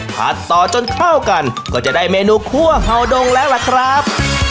ต่อจนเข้ากันก็จะได้เมนูคั่วเห่าดงแล้วล่ะครับ